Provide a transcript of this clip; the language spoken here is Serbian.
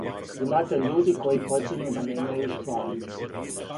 Имате људе који почињу да мењају ствари.